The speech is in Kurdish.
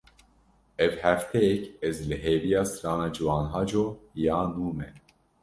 Ev hefteyek ez li hêviya strana Ciwan Haco ya nû me.